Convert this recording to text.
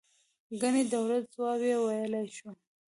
ګنې د دولت ځواب یې ویلای شو.